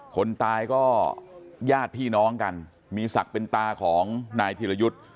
คนตายก็ญาติพี่น้องกันมีศักดิ์เป็นตาของนายธิรยุทธ์